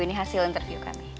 ini hasil interview kami